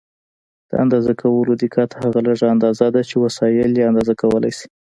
د اندازه کولو دقت هغه لږه اندازه ده چې وسایل یې اندازه کولای شي.